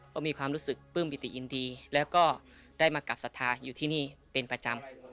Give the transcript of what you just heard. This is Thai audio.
ก็มีความรู้สึกปลื้มปิติยินดีแล้วก็ได้มากลับศรัทธาอยู่ที่นี่เป็นประจำ